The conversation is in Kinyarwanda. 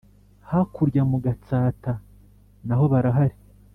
hakurya mu gatsaata na hó barahari